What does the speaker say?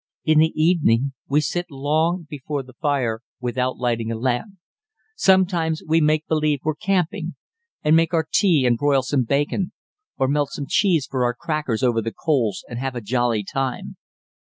"In the evening we sit long before the fire without lighting a lamp. Sometimes we make believe we're camping, and make our tea and broil some bacon or melt some cheese for our crackers over the coals, and have a jolly time.